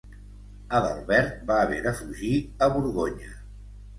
Adalbert va haver de fugir a Borgonya.